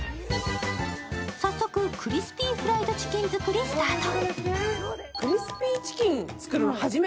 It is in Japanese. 早速、クリスピーフライドチキン作りスタート。